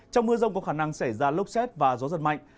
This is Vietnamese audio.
trong mưa rông có khả năng xảy ra lốc xét và gió giật mạnh